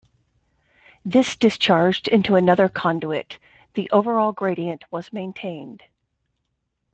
This discharged into another conduit; the overall gradient was maintained.